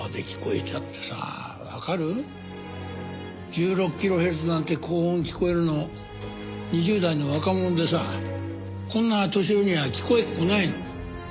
１６キロヘルツなんて高音聞こえるの２０代の若者でさこんな年寄りにゃ聞こえっこないの。